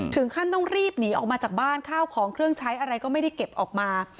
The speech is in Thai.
ถึงขั้นต้องรีบหนีออกมาจากบ้านข้าวของเครื่องใช้อะไรก็ไม่ได้เก็บออกมา